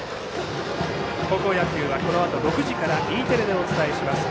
高校野球はこのあと６時からＥテレでお伝えします。